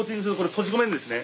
閉じ込めるんですね。